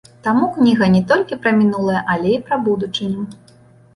Таму кніга не толькі пра мінулае, але і пра будучыню.